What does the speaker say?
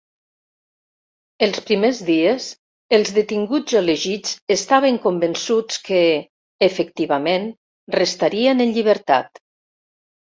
Els primers dies, els detinguts elegits estaven convençuts que, efectivament, restarien en llibertat.